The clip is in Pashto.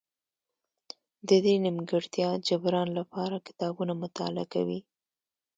د دې نیمګړتیا جبران لپاره کتابونه مطالعه کوي.